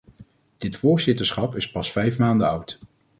Dit voorzitterschap is pas vijf maanden oud.